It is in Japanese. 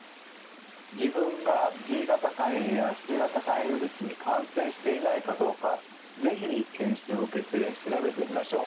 自分がＢ型肝炎やＣ型肝炎ウイルスに感染していないかどうか是非検診を受けて調べてみましょう。